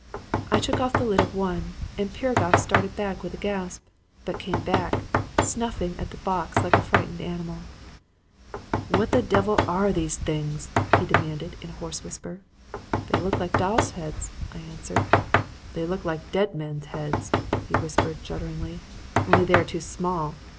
"I took off the lid of one; and Piragoff started back with a gasp, but came back, snuffing at the box like a frightened animal. "'What the devil are these things?' he demanded in a hoarse whisper. "'They look like dolls' heads,' I answered. "'They look like dead men's heads,' he whispered, shudderingly, 'only they are too small.